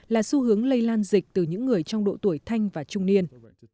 là xu hướng lây lan dịch từ những người trong độ tuổi thanh và trung niên